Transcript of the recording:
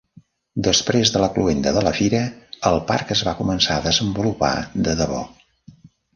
Després de la cloenda de la fira, el parc es va començar a desenvolupar de debò.